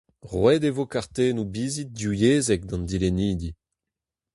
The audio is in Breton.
Roet e vo kartennoù-bizit divyezhek d'an dilennidi.